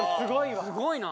すごいな！